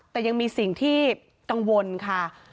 แต่ยังมีสิ่งที่กังวลค่ะ